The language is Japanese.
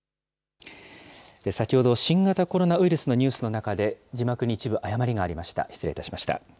先ほど、新型コロナウイルスのニュースの中で、字幕に一部、誤りがありました。